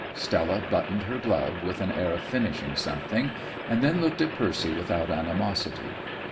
Stella buttoned her glove with an air of finishing something, and then looked at Percy without animosity.